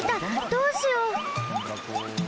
どうしよう！？